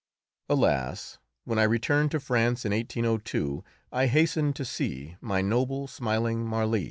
Alas! when I returned to France in 1802 I hastened to see my noble, smiling Marly.